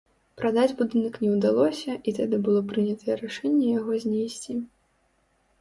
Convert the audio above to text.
Прадаць будынак не ўдалося і тады было прынятае рашэнне яго знесці.